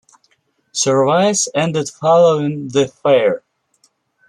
Service ended following the fair.